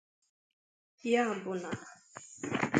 Ya bụ na